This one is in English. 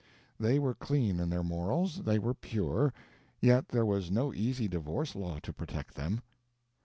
They were clean in their morals, they were pure, yet there was no easy divorce law to protect them.